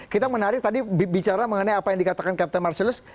kita menarik tadi bicara mengenai apa yang dikatakan captain marcelus